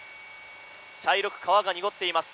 茶色く川が濁っています。